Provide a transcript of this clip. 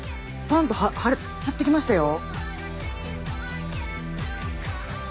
パンと張ってきましたよ。